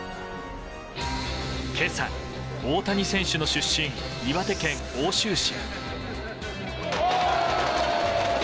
今朝、大谷選手の出身岩手県奥州市。